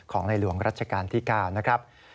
ในหลวงรัชกาลที่๙นะครับ